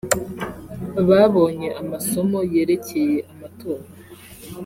Babonye amasomo yerekeye amatora